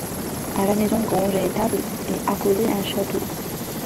À la maison, grange, et étable est accolé un château.